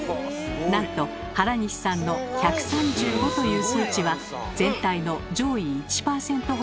なんと原西さんの１３５という数値は全体の上位１％ほどしかいない